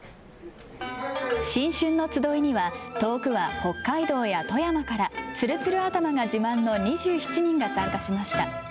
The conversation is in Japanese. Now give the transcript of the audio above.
新春の集いには、遠くは北海道や富山から、つるつる頭が自慢の２７人が参加しました。